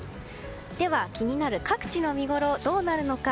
では、気になる各地の見ごろはどうなるのか。